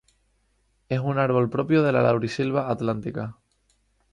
Es un árbol propio de la laurisilva atlántica.